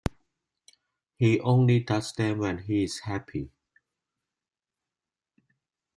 He only does them when he’s happy.